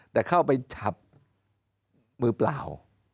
แต่เข้าไปจับมือเปล่า